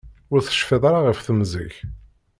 Ur tecfiḍ ara ɣef temẓi-k.